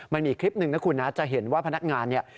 มันมีคลิปหนึ่งนะคุณนะจะเห็นว่าพนักงานเนี่ย